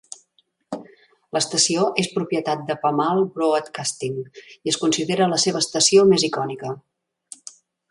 L"estació és propietat de Pamal Broadcasting i es considera la seva estació més icònica.